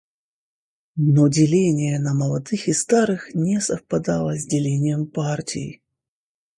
Но деление на молодых и старых не совпадало с делением партий.